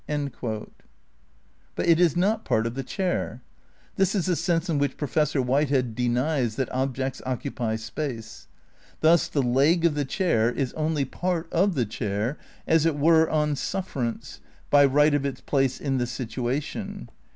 ' But it is not part of the chair. This is the sense in which Professor Whitehead denies that objects occupy space. Thus the leg of the chair is only part of the chair as it were on sufferance, by right of its place in the ''situation."